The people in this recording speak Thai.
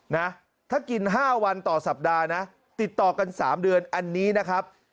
นะถ้ากิน๕วันต่อสัปดาห์นะติดต่อกัน๓เดือนอันนี้นะครับ